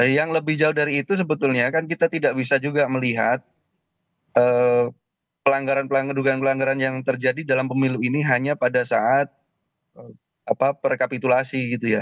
yang lebih jauh dari itu sebetulnya kan kita tidak bisa juga melihat pelanggaran pelanggaran dugaan pelanggaran yang terjadi dalam pemilu ini hanya pada saat perkapitulasi gitu ya